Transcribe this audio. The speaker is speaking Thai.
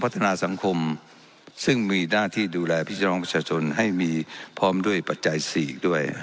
นาสังคมซึ่งมีหน้าที่ดูแลพี่น้องประชาชนให้มีพร้อมด้วยปัจจัย๔ด้วย